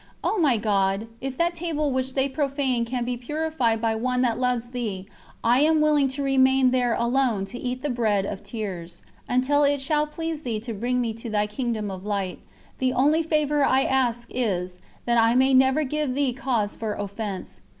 O my God, if that table which they profane can be purified by one that loves Thee, I am willing to remain there alone to eat the bread of tears, until it shall please Thee to bring me to Thy Kingdom of Light: the only favour I ask is, that I may never give Thee cause for offence.